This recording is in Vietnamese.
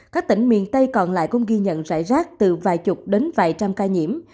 các tỉnh miền tây còn lại cũng ghi nhận rải rác từ vài chục đến vài trăm ca nhiễm